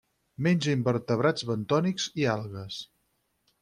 Menja invertebrats bentònics i algues.